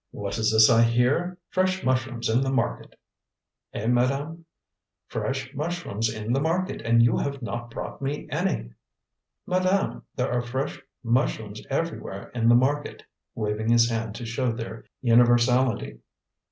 "What is this I hear? Fresh mushrooms in the market!" "Eh, madame?" "Fresh mushrooms in the market, and you have not brought me any!" "Madame, there are fresh mushrooms everywhere in the market," waving his hand to show their universality.